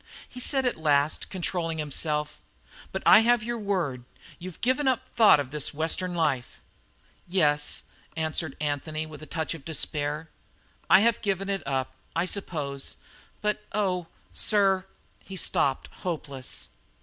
He said at last, controlling himself: "But I have your word; you've given up the thought of this Western life?" "Yes," answered Anthony, with a touch of despair, "I have given it up, I suppose. But, oh, sir " He stopped, hopeless.